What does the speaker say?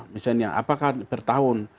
misalnya apakah bertahun